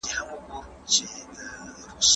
موږ پخوا ډېري مڼې راوړي وې.